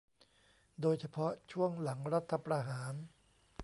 โดยเฉพาะช่วงหลังรัฐประหาร